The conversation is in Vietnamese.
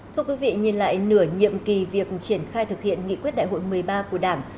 thưa quý vị nhìn lại nửa nhiệm kỳ việc triển khai thực hiện nghị quyết đại hội một mươi ba của đảng